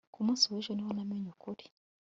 Ku munsi wejo ni bwo namenye ukuri